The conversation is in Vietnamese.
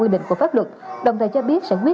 đó là một cái sai